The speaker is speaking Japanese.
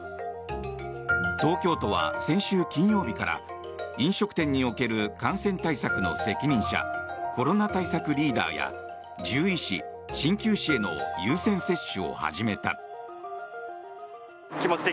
東京都は先週金曜日から飲食店における感染対策の責任者コロナ対策リーダーや獣医師、鍼灸師への優先接種を始めた。